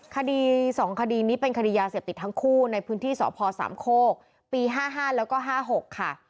คดี๒คดีนี้เป็นคดียาเสพติดทั้งคู่ในพื้นที่สพสามโคกปี๕๕แล้วก็๕๖ค่ะ